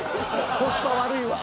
コスパ悪いわ。